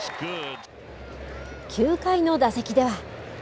９回の打席では。